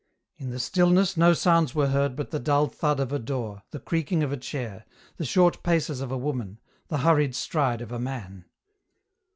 In the stillness no sounds were heard but the dull thud of a door, the creaking of a chair, the short paces of a woman, the hurried stride of a man.